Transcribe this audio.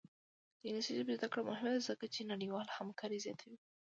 د انګلیسي ژبې زده کړه مهمه ده ځکه چې نړیوالې همکاري زیاتوي.